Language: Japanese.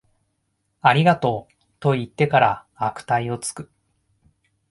ありがとう、と言ってから悪態をつく